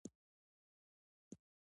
د کرکې څرګندول د ټولنیز تشدد سبب ګرځي.